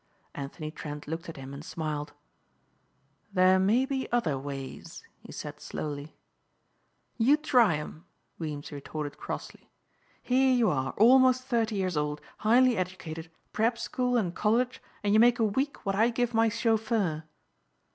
Anthony Trent looked at him and smiled. "There may be other ways," he said slowly. "You try 'em," Weems retorted crossly. "Here you are almost thirty years old, highly educated, prep school and college and you make a week what I give my chauffeur."